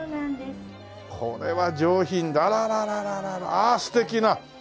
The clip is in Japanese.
ああ素敵な！